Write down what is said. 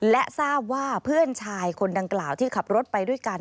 และทราบว่าเพื่อนชายคนดังกล่าวที่ขับรถไปด้วยกัน